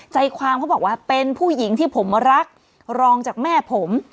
ใจความเขาบอกว่าเป็นผู้หญิงที่ผมรักรองจากแม่ผม